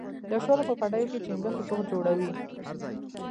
د شولو په پټیو کې چنگښې ځوږ جوړوي.